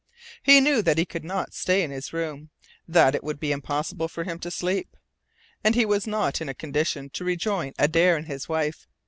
He knew that he could not stay in his room, that it would be impossible for him to sleep. And he was not in a condition to rejoin Adare and his wife.